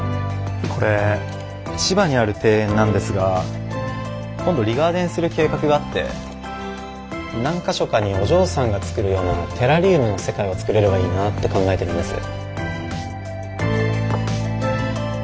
これ千葉にある庭園なんですが今度リガーデンする計画があって何か所かにお嬢さんが作るようなテラリウムの世界を作れればいいなって考えてるんです。